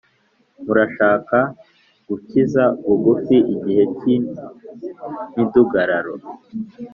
murashaka gukigiza bugufi igihe cy’imidugararo.